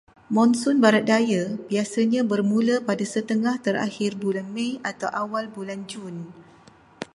Monsun barat daya biasanya bermula pada setengah terakhir bulan Mei atau awal bulan Jun.